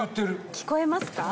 聞こえますか？